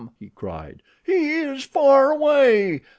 he cried. "He is far away.